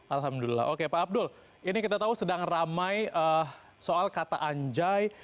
alhamdulillah oke pak abdul ini kita tahu sedang ramai soal kata anjai